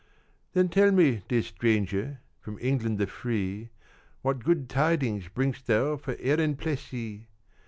"Then tell me, dear Stranger, from England the free, What good tidings bring'st thou for Arend Plessie?